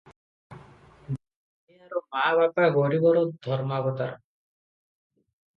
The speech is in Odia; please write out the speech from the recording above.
ଦୁନିଆଁର ମା' ବାପ, ଗରିବର ଧର୍ମାବତାର ।